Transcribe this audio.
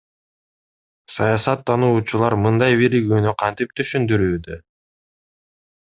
Саясат тануучулар мындай биригүүнү кантип түшүндүрүүдө?